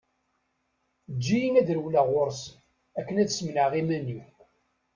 Eǧǧ-iyi ad rewleɣ ɣur-s, akken ad smenɛeɣ iman-iw.